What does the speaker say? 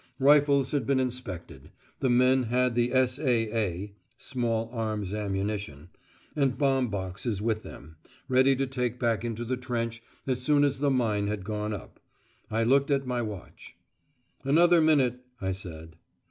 Rifles had been inspected; the men had the S.A.A. (small arms ammunition) and bomb boxes with them, ready to take back into the trench as soon as the mine had gone up. I looked at my watch. "Another minute," I said.